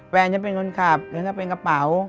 แฟ่นก็เป็นคุณคับแล้วก็เป็นกระเป๋า